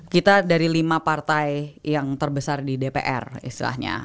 kita dari lima partai yang terbesar di dpr istilahnya